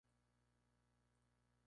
Está más fresco que una lechuga